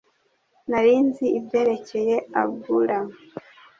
Nari nzi ibyerekeye Abura